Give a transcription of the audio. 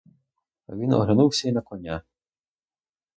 А він оглянувся, і на коня!